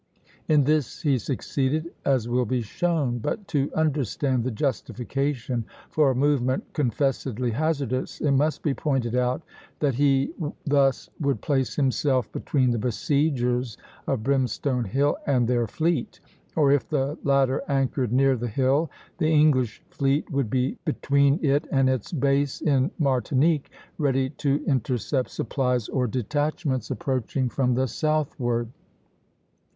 In this he succeeded, as will be shown; but to understand the justification for a movement confessedly hazardous, it must be pointed out that he thus would place himself between the besiegers of Brimstone Hill and their fleet; or if the latter anchored near the hill, the English fleet would be between it and its base in Martinique, ready to intercept supplies or detachments approaching from the southward.